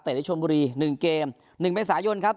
ได้ชมบุรี๑เกม๑เมษายนครับ